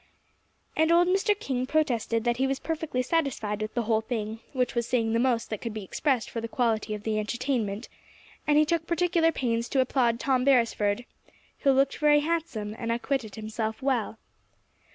And old Mr. King protested that he was perfectly satisfied with the whole thing, which was saying the most that could be expressed for the quality of the entertainment; and he took particular pains to applaud Tom Beresford, who looked very handsome, and acquitted himself well.